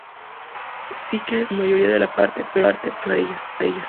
Sykes hace que la mayoría de la parte, pero no hay mucho a ella.